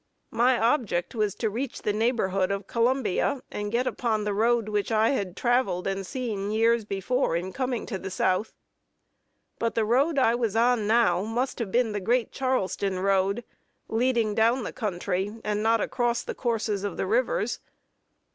My object was to reach the neighborhood of Columbia, and get upon the road which I had traveled and seen years before in coming to the South; but the road I was now on must have been the great Charleston road, leading down the country, and not across the courses of the rivers.